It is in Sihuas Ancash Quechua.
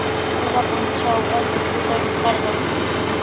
Ñuqa puntrawpa tukuta rikarqaa.